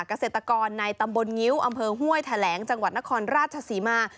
เกษตรกรในตำบลงิ้วอำเภอห้วยแถลงจังหวัดนครราชศรีมา